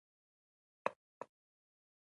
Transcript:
که نجونې مبارکي ورکړي نو خوښي به نه وي نیمګړې.